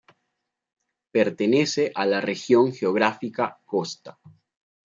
Pertenece a la región geográfica costa.